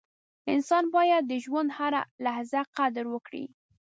• انسان باید د ژوند هره لحظه قدر وکړي.